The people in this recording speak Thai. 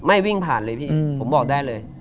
วิ่งผ่านเลยพี่ผมบอกได้เลย